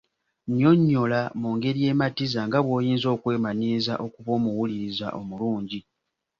Nnyonnyola mu ngeri ematiza nga bw’oyinza okwemanyiiza okuba omuwuliriza omulungi.